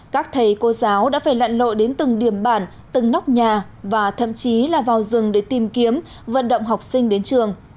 các thầy cô giáo đã phải lặn lội đến từng điểm bản từng nóc nhà và thậm chí là vào rừng để tìm kiếm vận động học sinh đến trường